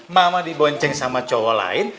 mama dibonceng sama cowok lain